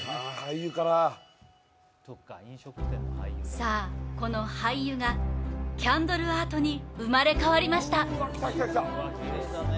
さぁ、この廃油がキャンドルアートに生まれ変わりました。